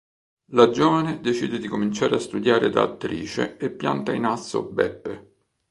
La giovane decide di cominciare a studiare da attrice e pianta in asso Beppe.